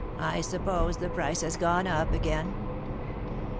"I suppose the price has gone up again."